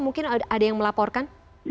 mungkin ada yang melaporkan